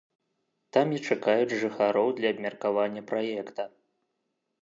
Там і чакаюць жыхароў для абмеркавання праекта.